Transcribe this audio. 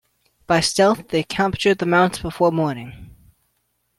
By stealth, they captured the mounts before morning.